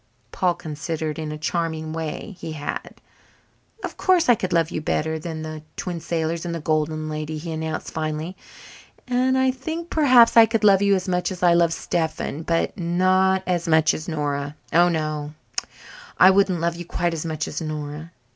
Paul considered in a charming way he had. "Of course I could love you better than the Twin Sailors and the Golden Lady," he announced finally. "And I think perhaps I could love you as much as I love Stephen. But not as much as Nora oh, no, I wouldn't love you quite as much as Nora.